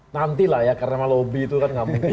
nanti lah ya karena lobby itu kan nggak mungkin